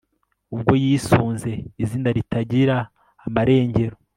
ubwo yisunze izina ritagira amarengero